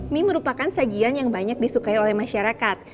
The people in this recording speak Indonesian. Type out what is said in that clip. mie merupakan sajian yang banyak disukai oleh masyarakat